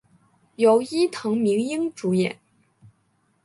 由伊藤英明主演。